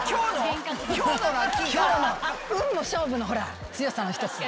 運も勝負のほら強さの１つ。